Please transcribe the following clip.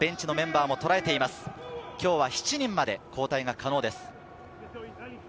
今日は７人まで交代が可能です。